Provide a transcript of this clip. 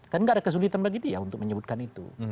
kan nggak ada kesulitan bagi dia untuk menyebutkan itu